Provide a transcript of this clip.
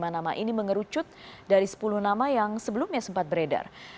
lima nama ini mengerucut dari sepuluh nama yang sebelumnya sempat beredar